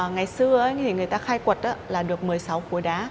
ngày xưa thì người ta khai quật là được một mươi sáu khối đá